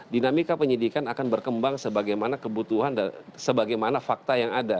dinamika penyidikan akan berkembang sebagaimana kebutuhan dan sebagaimana fakta yang ada